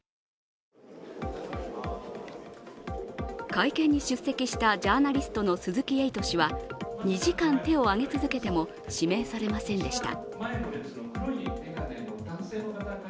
会見に出席したジャーナリストの鈴木エイト氏は２時間手を挙げ続けても指名されませんでした。